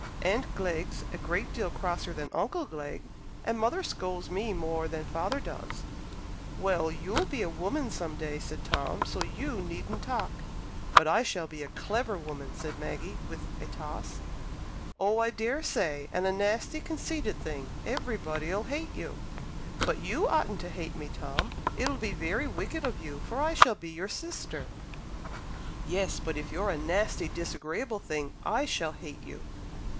"Aunt Glegg's a great deal crosser than Uncle Glegg, and mother scolds me more than father does." "Well, you'll be a woman some day," said Tom, "so you needn't talk." "But I shall be a clever woman," said Maggie, with a toss. "Oh, I daresay, and a nasty, conceited thing. Everybody'll hate you." "But you oughtn't to hate me, Tom. It'll be very wicked of you, for I shall be your sister." "Yes, but if you're a nasty, disagreeable thing, I shall hate you."